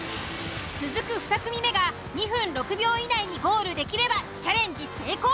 続く２組目が２分６秒以内にゴールできればチャレンジ成功。